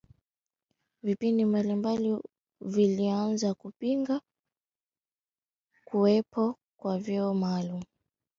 vikundi mbalimbali vilianza kupinga kuwapo kwa vyeo maalumu vya